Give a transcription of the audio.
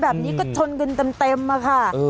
แบบนี้ก็ชนกันเต็มอะค่ะ